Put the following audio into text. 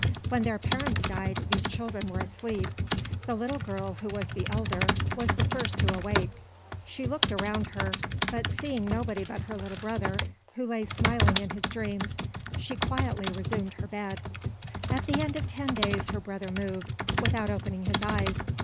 When their parents died, these children were asleep. The little girl, who was the elder, was the first to awake. She looked around her, but seeing nobody but her little brother, who lay smiling in his dreams, she quietly resumed her bed. At the end of ten days her brother moved, without opening his eyes.